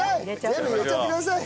全部入れちゃってください！